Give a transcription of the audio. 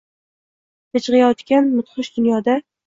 Bijgʼiyotgan mudhish dunyoda